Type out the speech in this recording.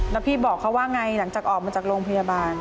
แล้วพี่บอกเขาว่าไงหลังจากออกมาจากโรงพยาบาล